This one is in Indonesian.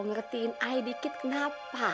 ngertiin aja dikit kenapa